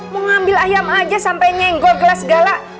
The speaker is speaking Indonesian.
mau ngambil ayam aja sampai nyenggor gelas gala